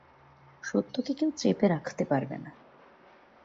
সত্যকে কেউ চেপে রাখতে পারবে না।